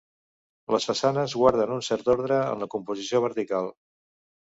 Les façanes guarden un cert ordre en la composició vertical.